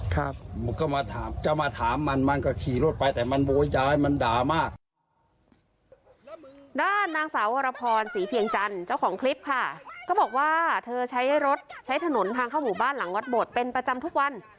ก็บอกว่าเธอใช้รถใช้ถนนทางเข้าหมู่บ้านหลังวัดบดเป็นประจำทุกวัน